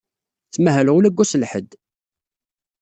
Ttmahaleɣ ula deg wass n lḥedd.